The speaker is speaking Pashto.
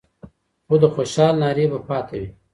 خو د خوشال نارې به پاته وي